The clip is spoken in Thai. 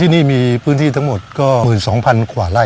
นี่มีพื้นที่ทั้งหมดก็๑๒๐๐๐กว่าไร่